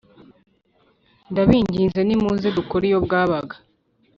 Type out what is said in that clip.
Ndabinginze nimuze dukore iyo bwabaga